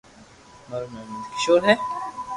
مارو نوم نند ڪآݾور ھي